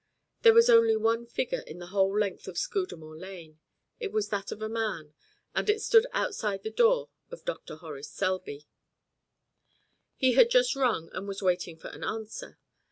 There was only one figure in the whole length of Scudamore Lane. It was that of a man, and it stood outside the door of Dr. Horace Selby. He had just rung and was waiting for an answer.